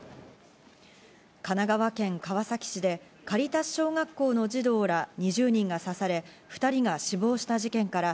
神奈川県川崎市でカリタス小学校の児童ら２０人が刺され、２人が死亡した事件から